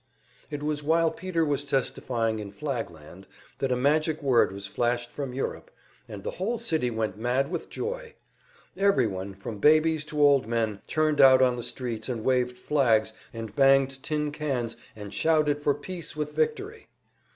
It was while Peter was testifying in Flagland that a magic word was flashed from Europe, and the whole city went mad with joy. Everyone, from babies to old men, turned out on the streets and waved flags and banged tin cans and shouted for peace with victory.